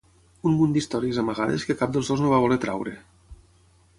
Un munt d'històries amagades que cap dels dos no va voler traure.